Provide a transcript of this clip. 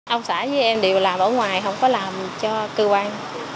ông xã với em đều làm ở ngoài không có làm cho cơ quan